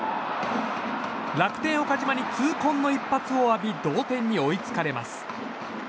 楽天、岡島に痛恨の一発を浴び同点に追いつかれます。